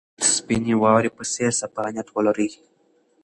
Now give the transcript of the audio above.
د سپینې واورې په څېر صفا نیت ولرئ.